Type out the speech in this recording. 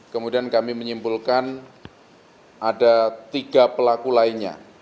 kemudian kami menyimpulkan ada tiga pelaku lainnya